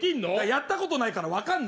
やったことないから分からない。